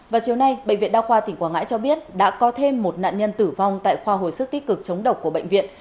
vào chiều nay bệnh viện đa khoa tỉnh quảng ngãi cho biết đã có thêm một nạn nhân tử vong tại khoa hồi sức tích cực chống độc của bệnh viện